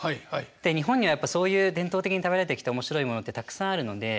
で日本にはそういう伝統的に食べられてきた面白いものってたくさんあるので。